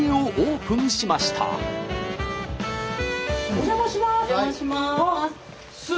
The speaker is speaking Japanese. お邪魔します。